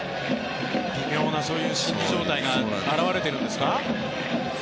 微妙な心理状態が表れているんですか。